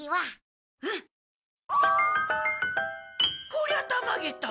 こりゃたまげた！